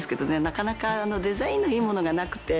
なかなかデザインのいいものがなくて。